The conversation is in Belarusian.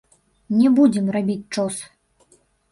Не будзем рабіць чос!